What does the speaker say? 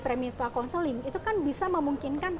premintual counseling itu kan bisa memungkinkan